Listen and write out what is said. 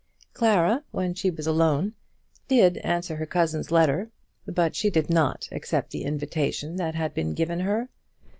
Clara, when she was alone, did answer her cousin's letter, but she did not accept the invitation that had been given her.